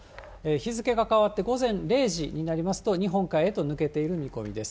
日付が変わって午前０時になりますと、日本海へと抜けている見込みです。